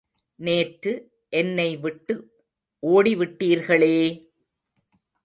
நேற்று என்னைவிட்டு ஓடிவிட்டீர்களே!